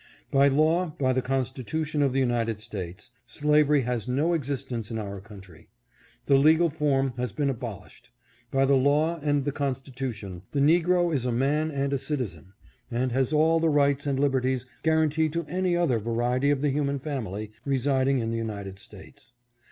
By law, by the constitution of the United States, slavery has no existence in our country. The legal form has been abolished. By the law and the constitution, the negro is a man and a citizen, and has all the rights and liberties guaranteed to any other variety of the human family, residing in the United States.